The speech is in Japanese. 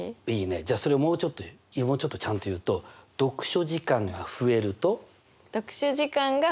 じゃそれをもうちょっとちゃんと言うと読書時間が増えると。